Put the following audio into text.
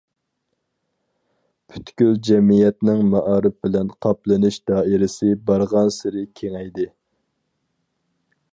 پۈتكۈل جەمئىيەتنىڭ مائارىپ بىلەن قاپلىنىش دائىرىسى بارغانسېرى كېڭەيدى.